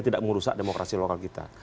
tidak merusak demokrasi lokal kita